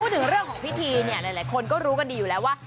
พูดถึงเรื่องของพิธีเนี่ยหลายคนก็รู้กันดีอยู่แล้วว่า